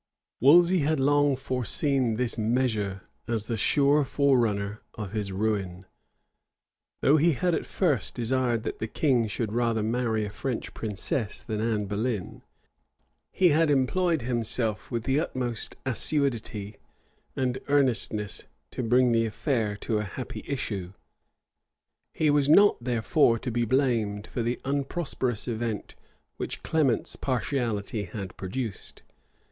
Wolsey had long foreseen this measure as the sure forerunner of his ruin. Though he had at first desired that the king should rather marry a French princess than Anne Boleyn, he had employed himself with the utmost assiduity and earnestness to bring the affair to a happy issue: [*] he was not, therefore, to be blamed for the unprosperous event which Clement's partiality had produced.